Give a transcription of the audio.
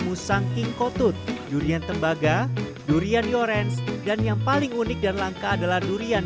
dusung ki khotut durian terbagah durian yorens dan yang paling unik dan langka adalah durian